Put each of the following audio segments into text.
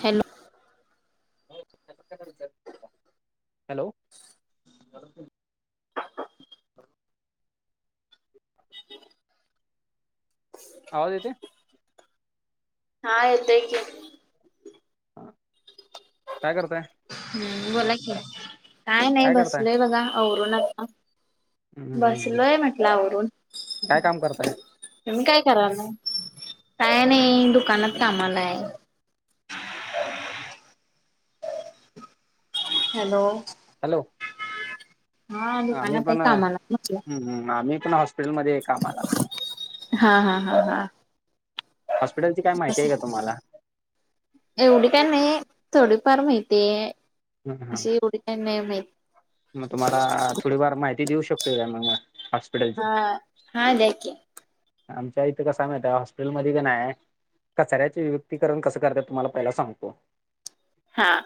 Hello. Hello. Hello. आवाज येतोय. हा येतोय की. काय करताय? हूं बोला की काय नाही बसलोय बघा आवरून आता. हम्म, बसलोय म्हटलं आवरून. काय काम करताय तुम्ही काय करालाय काय नाही दुकानात कामाला हाय. हॅलो. हॅलो. हा आम्ही दुकानात आहे पण कामाला म्हटलं. आम्ही पण हॉस्पिटलमध्ये आहे कामाला. हा हा हा हा. हॉस्पिटलची काय माहिती आहे का तुम्हांला? एवढी काय नाही थोडी फार माहितीय ह अशी एवढी. काय नाही माहित. मग तुम्हांला थोडीफार माहिती देऊ शकतोय काय मग असं. हा हा द्या की. आमच्या इथं कस हाय माहित हॉस्पिटलमध्ये का नाही. कचऱ्याचे वि्युक्तीकरण कसं करतात तुम्हांला पहिला सांगतो. हां.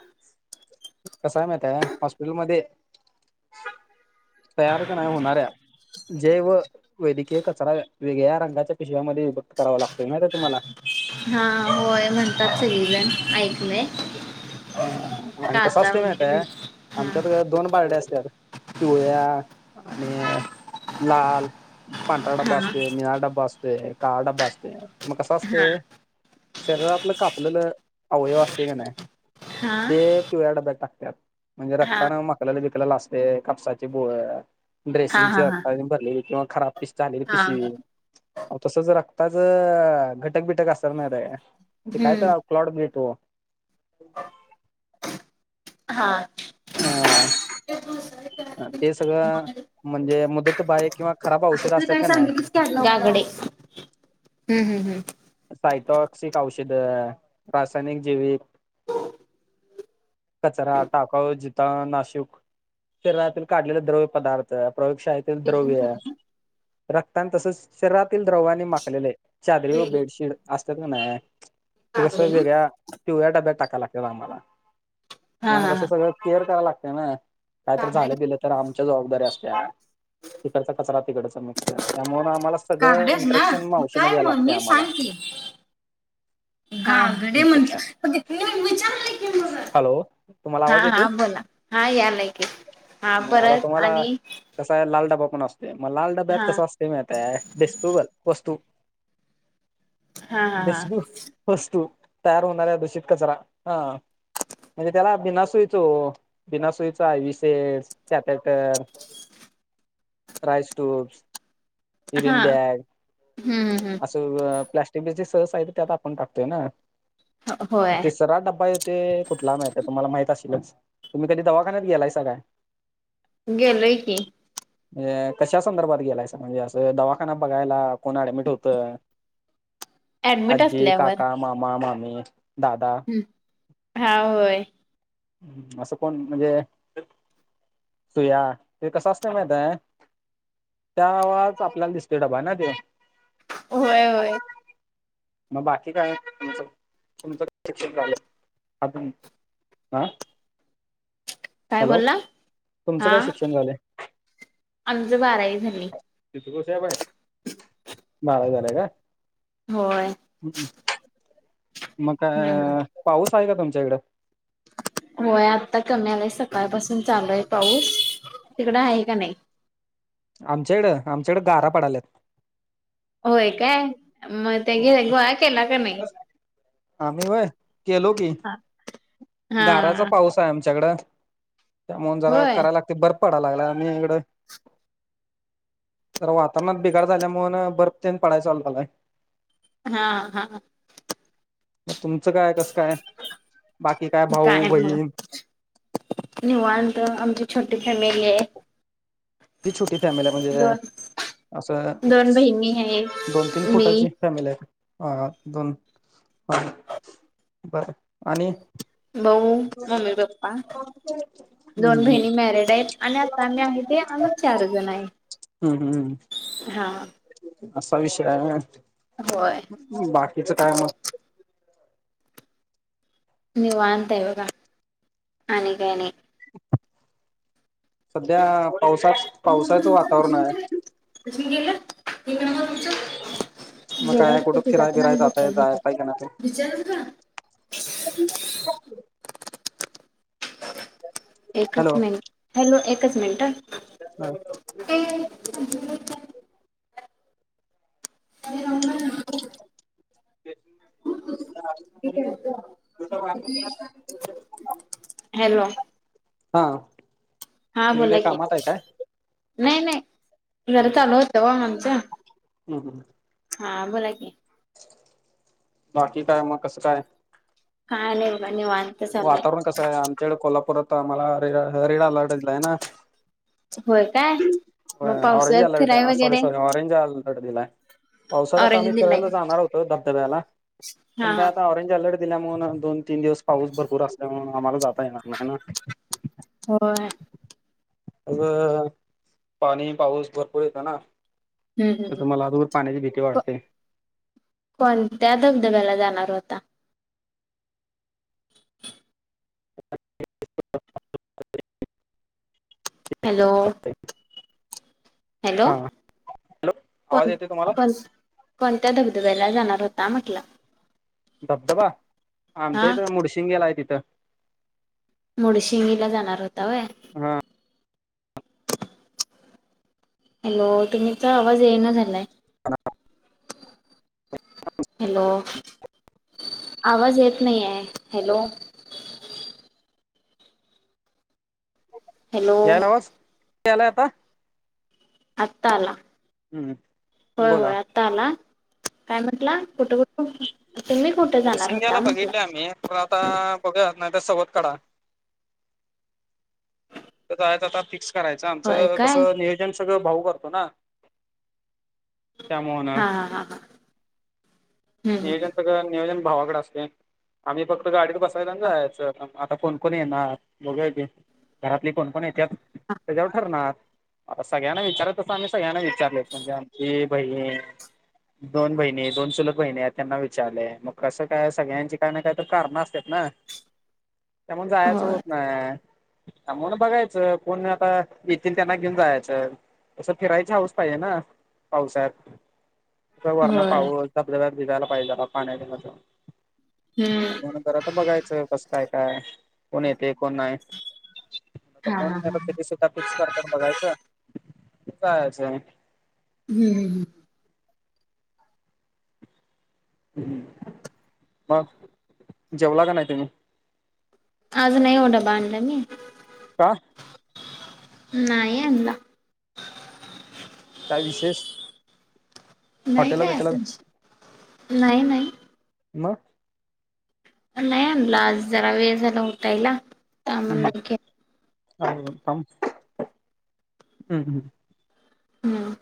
कसाय माहिताय हॉस्पिटलमध्ये. तयार क नाही होणाऱ्या जैव वैद्यकीय कचरा. वेगळ्या रंगाच्या पिश्याव्यामध्ये विभक्त करावा लागतोय माहित आहे तुम्हांला. हा होय म्हणतात सगळीजण ऐकलंय. ह आणि कसं काचा असतय वगैरे माहिताय भेट हा आमच्यात दोन बारड्या असतात. पिवळ्या आणि लाल. पांढरा हा डबा असतोय, निळा डबा असतोय, काळा डबा असतोय मग कसं हा असतय. शरीरातलं कापलेलं अवयव असतय क नाही हा ते. पिवळ्या डब्यात टाकत्यात म्हणजे हा रक्तांना मखल्याला बिकल्याला असतयं कापसाची बोळं. हा हा ड्रेसिंगची हा रक्तानं भरलेली किंवा खराब पिश झालेली हा पिशवी. तसंच रक्ताच घटक बिटक असत्यात माहित आहे काय ते काय हम्म. तर. क्लॉट घेतो. हा. हां. ते बास हाय. ते सगळं म्हणजे मुदत बाहय किंवा खराब औषध असत्यात का नाही. त्या गडे, हूं हूं हूं सायटॉक्सिक औषधं रासायनिक जैविक कचरा टाकाऊ जिताऊ नाशूक. शरीरातील काढलेले द्रव्य पदार्थ प्रयोगशाळेत, द्रव्य रक्तांनी तसेच शरीरातील द्रव्याने माखलेले चादरी व वेली बेडशीट. शिड असत्यात का नाही ते कागडे कसं ना? वेगळ्या पिवळ्या डब्यात टाकायला लागत्यात आम्हांला. हा म्हणून हा कसं हा. सगळं केअर करायला लागतंय ना कायतर कागडे झालं बिलं तर. तर आमच्यावर जबाबदारी असत्या, तिकडचा कचरा तिकडचा मिक्स त्यामुळे आम्हांला सगळं कागडेच ना इंट्रक्शन मग मावशीना काय द्याला मग लागतंय नीट आम्हांला सांग की इंट्रक्शन [inaudible] हॅलो तुम्हाला हा आवाज येते हा बोला हा यालाय की हा मग आता परत तुम्हाला आणि कसा आहे लाल डबा पण असतोय, मग लाल डब्यात हा कसं असतय माहिताय डिस्पोबल वस्तू हा हा हा दशू वस्तू तयार होणारऱ्या दुषित कचरा हा- म्हणजे त्याला बीना सुईच हो. बिना सुईच I V set कॅपॅटर Ryle's tubes. हा युरिन बॅग हम्म हम्म प्लास्टिक ब्लिस्टीक त्यात आपण टाकतोय ना हम्म होय तिसरा डबा ते कुठला माहीत तुम्हाला माहित असशीललच तुम्ही कधी दवाखान्यात गेलाय सा काय. गेलोय की. म्हणजे कशा संदर्भात गेलाय सर म्हणजे असं दवाखाना बघायला कोण ऍडमिट होतं. ऍडमिट आज्जी, असल्यावर काका, मामा, मामी, दादा, हा होय ह् असं कोण म्हणजे, सुया ते कसं असतेय माहीतय का? त्या आवारात आपल्याला दिसते डबा आहे ना ते. होय होय मग बाकी काय? तुमचं किती शिक्षणं झालंय अजुन. आं काय बोलला आ आमची बारावी झाली. बारावी झाल्या काय. होय हम्म मग हम्म काय पाऊस आहे का तुमच्याकडे. होय आता कमी आलाय सकाळ पासून चालू आहे पाऊस तिकड आहे का नाही. आमच्याकडे आमच्याकडे गारा पडाल्यात. होय काय मग ते गोळा केला का नाही. आम्ही वय केलो की, हा गाराचा पाऊस आमच्याकडे त्यामुळं जरा होय करायला लागते बर पडा लागला आणि इकडं. तर वातावरणात बिघड झाल्यामुळेण बर्फतेन पडाय चालू झाला. हा हा मग तुमचं काय कसं काय. बाकी भाऊ काय मग बहीण निवांत, आमची छोटी आहे. कीती छोटी फॅमिली आहे, म्हणजे दोन असं दोन बहिणी दोन तीन आहेत मी फुटाची. फम हा दोन ह बर आणि भाऊ [inaudible] मम्मी पप्पा [inaudible] दोन हम्म हम् बहिणी मॅरिड आहेत आणि आता आम्ही आहे ते [inaudible] आम्ही चार जण आहे [inaudible] हम्म हम्मम हा. असा विषय आहे वय. होय. मग बाकीचं काय मग. निवांत आहे बघा, आणि काही नाही. [inaudible] सध्या पावसाच पावसाचं वातावरण आहे. त म गेलं तेक न तुमचं [inaudible] मग काय गेल कुठं तिच्या फिराय पण आ बिराय जाताय विचार जायताय विचार का [inaudible] ह [inaudible] एकच हॅलो मिनट हॅलो एकच मिनिट. ह [inaudible] हॅलो. [inaudible] [inaudible] हॅलो. हा. हा आलो तुम्ही काय लगेच कामात आहे काय की नाही, नाही जरा चालू होतं वो आमचं. हम हम. हा बोला की. बाकी काय मग कसं काय? काय नाही बघा निवांत. चाललंय वातावरण कसं आहे? आमच्याकडे कोल्हापूरात आम्हाला रेड अलर्ट दिला आहे ना. होय काय मग ऑरेंज पावसाळ्यात अलर्ट फिराय का सॉरी वगैरे साॅरी ऑरेंज अलर्ट दिलाय. पावसाळ्यात आता आम्ही ऑरेंज दिलाय फिरायला जाणार होतो. धबधब्याला हा पण काय हा आता? ऑरेंज अलर्ट दिल्या म्हणून दोन तीन दिवस पाऊस भरपूर असल्यामुळ आम्हाला जाता येणार नाही ना. होय. अ पाणी पाऊस भरपूर येतो ना. हम्म हम्म हम्म त्यात मला अगोदरच पाण्याची भीती को वाटते. कोणत्या धबधब्याला जाणार होता? [unintelligible] हॅलो. [inaudible] हॅलो हा आवाज कोण येते तुम्हाला कोण? कोणत्या धबधब्याला जाणार होता म्हटल? धबधबा आमच्या हा इथ मुडशिंगेला हाय तिथं. मूडशिंला जाणार होता व्हय. हा. हॅलो तुमचा आवाज ये ना झालाय. [unintelligible] हॅलो आवाज येत नाही आहे हॅलो. हॅलो याला आवाज याला आता? आता आला हम्म होय, होय बोला आत्ता आला काय म्हटला कुठ, कुठ? तुम्ही कुठे जाणार होता मुडशिंग्याला म्हटलं? बघितले आम्ही आता बघुया नाही तर सवत कढा. तरं जायचं आंता फिक्स करायचं होय आमचं काय कसं नियोजन सगळं भाऊ करतो नां. त्यांमुळं नां. हां हां हां. नियोजन सगळं नियोजन भावांकडे असतंय आम्हीं फक्तं गांडीत बसायचं आणि हम्म जायाचं. आंता कोणं कोणं येणारं बघुंया की घरांतली कोणं कोणं येत्यांत त्यांच्यावरं ठरणारं. सगळ्यांना विचारतं चं आम्हीं सगळ्यांना विचारलेचं म्हणजे आमची बहीण, दोन बहिणी, दोन चुलतं बहिणी आहेतं. त्यांना विचारलंय मंग कसं कायं सगळ्यांची कायं नां कायं तरं कारणं असतेत नां. त्यांमुळे जायचं होय होतं नांय. त्यांमुळं बघायचं कोन आंता येतील त्यांना घेऊंन जायचं. तसं फिरांयची हाऊंस पाहिजे नां पावसाळ्यांत. तं वरणं होय पाऊस धबधब्यांत भिजायला पाहिजे जरां पाण्यांची मज्जां. हम्मं. म्हणूंन जरां आंता बघायचं कसं कायं कायं कोणं येते कोणं नाहीं. हा कोणं हा हा आंता किती सुट्टी फिक्सं करत्यांत बघायचं आणि जायचं. हम्मं हम्मं. मंग जेवलां कां नाहीं तुम्हीं? आंज नाहीं वो डब्बां आणंला मी. कां? नाहीं आणंला कांहीं विशेष नाहीं हॉटेलला कायं भेटेला असं चं नाहीं नाहीं मंग नाहीं आणंला आंज जरां वेळं झालां उठांयला हम्मं हम्मं हम्मं हम्मं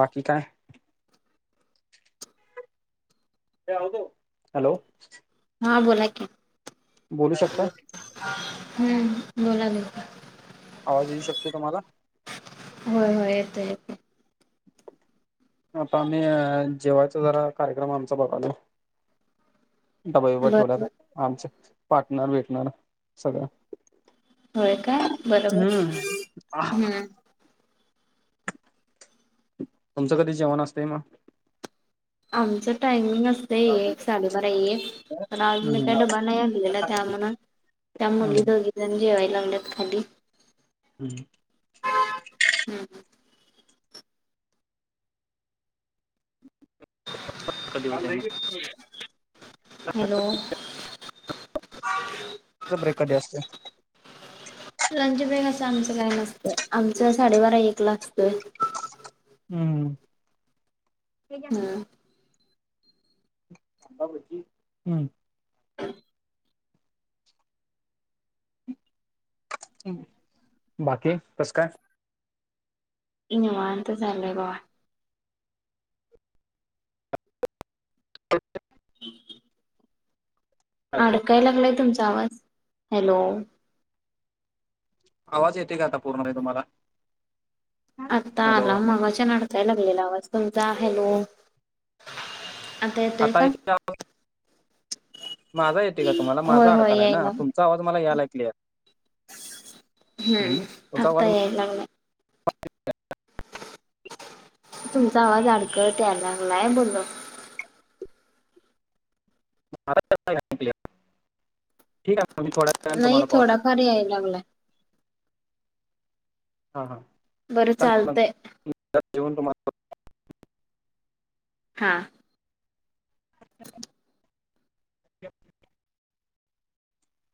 बाकी कायं ते आवं दो हॅलो हां बोलां कि बोलूं शकतां हम्मं बोलां दे आवांज येऊं शकते तुम्हांला होयं होयं येतं येतं आंता आम्हीं जेवांयचा जरां कार्यक्रम आमचां बघालो वहिवंट बरोबर. होणारं आमचे पार्टनर भेटणांर सगळं होय काय बरोबर हम्मं हम्म. तुमचं कधीं जेवणं असतें मंग आमचं टायमिंग असतो ते एक साडेबारा एक पणं आंज मी हम्म कांहीं डब्बां नाहीं आणंला त्यां म्हणूंन त्यां हम्म मुली दोघी जणी जेवांयला लागल्यांत खाली हम्मं हम्मं कधीं होते हॅलो तुमचां ब्रेक कधीं असतो लंच ब्रेक असं आमचं काय नसतंय, आमचं साडेबारा एकला असतोय हम्म. हम्म. [unintelligible] [inaudible] बाकी कसं काय? निवांत चालुआय बघा. हो [unintelligible] [inaudible] अडकाय लागलाय तुमचा आवाज,, हॅलो. आवाज येतोय का आता पूर्ण नाही तुम्हाला.? आत्ता हॅलो आला मगाचान अडकाय लागलेला आवाज तुमचा, हॅलो. आता येतोय का बग. माझा येतो का तुम्हाला, होय माझा होय अडकालाय ना यायला तुमचा आवाज मला यालाय क्लिअर. हम्म, तुमचा आता आवाज याय लागलाय. तुमचा आवाज अडकत याय लागलाय बोललो. माझा येत नाही क्लिअर,, ठीक आहे मी थोडा नाही थोडाफार याय लागलाय. हा हा. बरं चालतंय जीवून तुम्हा [unintelligible] हां. [inaudible]